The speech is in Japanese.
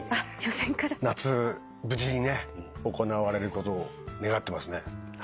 夏無事にね行われることを願ってますね。